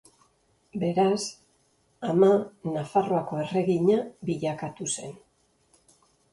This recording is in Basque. Beraz, ama Nafarroako erregina bilakatu zen.